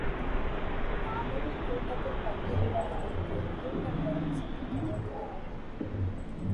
நாமும் கூட்டத்தில் பங்கேற்பது குறித்து நீண்ட நேரம் சிந்திக்க நேரிட்டது.